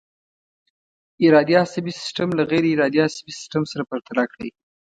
ارادي عصبي سیستم له غیر ارادي عصبي سیستم سره پرتله کړئ.